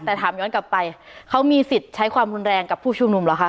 แต่ถามย้อนกลับไปเขามีสิทธิ์ใช้ความรุนแรงกับผู้ชุมนุมเหรอคะ